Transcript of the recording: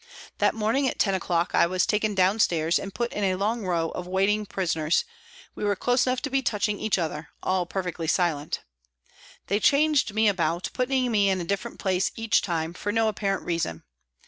That morning at 10 o'clock, I was taken downstairs and put in a long row of waiting prisoners, we were close enough to be touching each other, all perfectly silent. They changed me about, putting me in a different place each time, for no apparent reason.